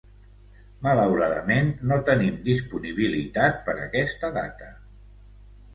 Malauradament, no tenim disponibilitat per aquesta data.